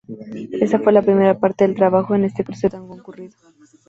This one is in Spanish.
Esta fue la primera parte del trabajo en este cruce tan concurrido.